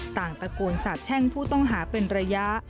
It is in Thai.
ต่างตะโกนสาบแช่งผู้ต้องหาเป็นระยะ